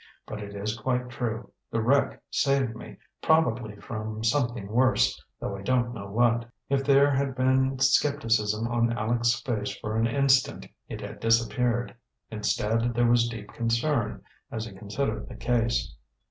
But it is quite true; the wreck saved me, probably, from something worse, though I don't know what." If there had been skepticism on Aleck's face for an instant it had disappeared. Instead, there was deep concern, as he considered the case.